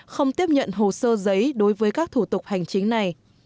không tiếp nhận hồ sơ giấy đối với các thủ tục hành chính này